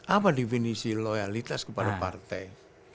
apa definisi loyalitas kepada partai